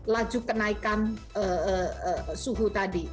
laju kenaikan suhu tadi